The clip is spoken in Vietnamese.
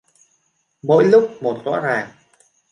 Mỗi lúc một rõ ràng